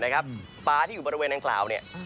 กลับมาทาย